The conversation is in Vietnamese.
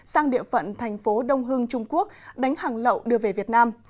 sang địa phận thành phố đông hưng trung quốc đánh hàng lậu đưa về việt nam